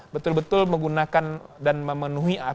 betul betul menggunakan dan memenuhi akses